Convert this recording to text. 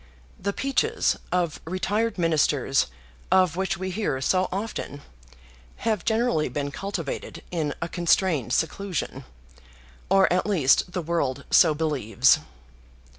The peaches of retired ministers of which we hear so often have generally been cultivated in a constrained seclusion; or at least the world so believes."